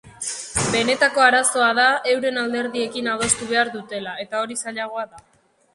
Benetako arazoa da euren alderdiekin adostu behar dutela, eta hori zailagoa da.